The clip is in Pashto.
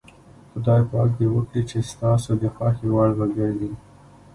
خدای پاک دې وکړي چې ستاسو د خوښې وړ وګرځي.